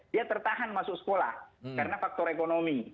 dia tertahan masuk sekolah karena faktor ekonomi